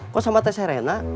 kok sama tes serena